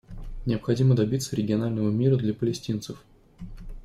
Необходимо добиться регионального мира для палестинцев.